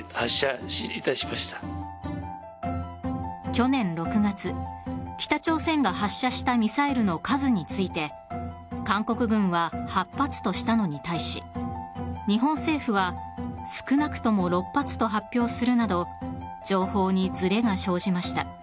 去年６月北朝鮮が発射したミサイルの数について韓国軍は８発としたのに対し日本政府は少なくとも６発と発表するなど情報にずれが生じました。